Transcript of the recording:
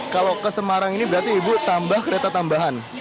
kalau ke semarang ini berarti ibu tambah kereta tambahan